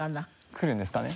来るんですかね？